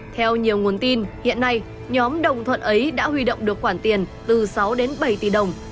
theo nhiều nguồn tin hiện nay nhóm đồng thuận ấy đã huy động được khoản tiền từ sáu đến bảy tỷ đồng